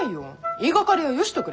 言いがかりはよしとくれ。